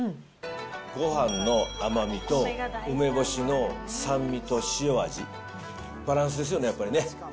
ごはんの甘みと梅干しの酸味と塩味、バランスですよね、やっぱりね。